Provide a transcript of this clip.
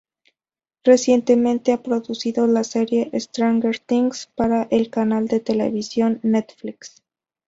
Recientemente ha producido la serie "Stranger Things" para el canal de televisión Netflix.